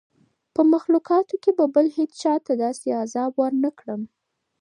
په مخلوقاتو کي به بل هېچا ته داسي عذاب ورنکړم